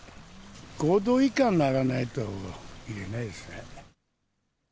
５度以下にならないと入れないですね。